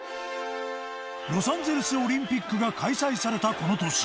ロサンゼルスオリンピックが開催されたこの年。